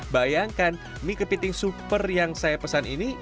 bayangkan mie kepiting super yang saya pesan ini